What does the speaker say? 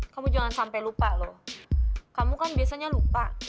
kamu jangan sampai lupa loh kamu kan biasanya lupa